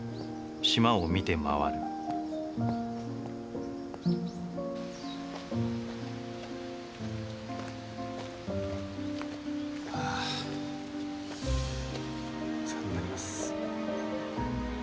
島を見て回るお世話になります。